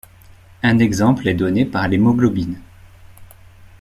Un exemple est donné par l'hémoglobine.